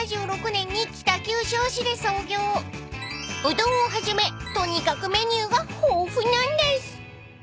［うどんをはじめとにかくメニューが豊富なんです］